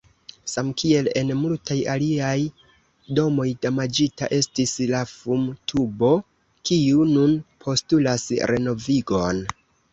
Samkiel en multaj aliaj domoj, damaĝita estis la fumtubo, kiu nun postulas renovigon.